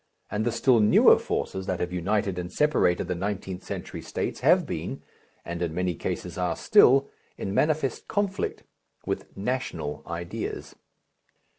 And the still newer forces that have united and separated the nineteenth century states have been, and in many cases are still, in manifest conflict with "national" ideas.